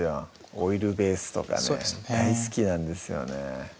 オイルベースとかね大好きなんですよね